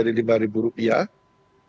dikurangi dari lima ribu rupiah